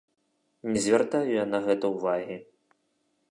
Не звяртаю я на гэта ўвагі.